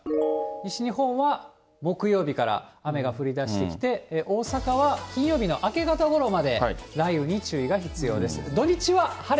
西日本は木曜日から雨が降りだしてきて、大阪は金曜日の明け方ごろまで雷雨に注意が必要です。